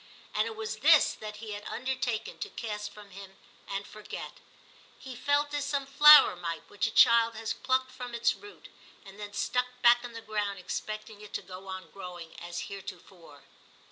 And it was this that he had undertaken to cast from him and forget. He felt as some flower might which a child had plucked from its root, and then stuck back in the ground expecting it to go on growing as heretofore.